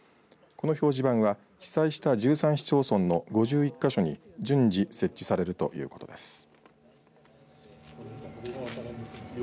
この表示板は被災した１３市町村の５１か所に順次設置されるということです。